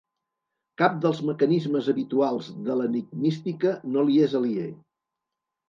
Cap dels mecanismes habituals de l'enigmística no li és aliè.